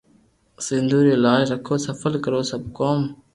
سنتو ري لاج رکو سفل ڪرو سب ڪوم